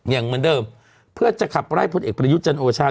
อย่างเหมือนเดิมเพื่อจะขับไล่พลเอกประยุทธ์จันโอชา